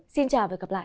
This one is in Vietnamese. xin chào và hẹn gặp lại